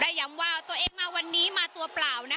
ได้ย้ำว่าตัวเองมตัวเองวันนี้มีตัวเปล่า